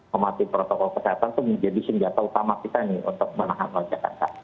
mematikan protokol kesehatan itu menjadi sindikata utama kita untuk menahan wajah kata